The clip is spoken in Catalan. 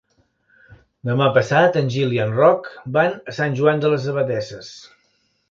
Demà passat en Gil i en Roc van a Sant Joan de les Abadesses.